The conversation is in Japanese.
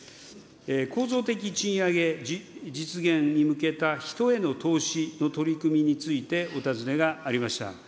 構造的賃上げ実現に向けた人への投資の取り組みについて、お尋ねがありました。